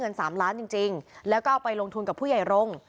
สามล้านจริงแล้วก็เอาไปลงทุนกับผู้ใหญ่รงค์